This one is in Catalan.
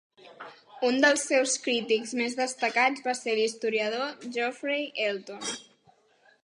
Un dels seus crítics més destacats va ser l'historiador Geoffrey Elton.